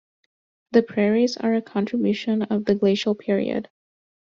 The prairies are a contribution of the glacial period.